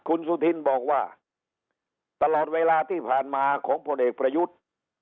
คุณสุธินบอกว่าตลอดเวลาที่ผ่านมาของพลเอกประยุทธ์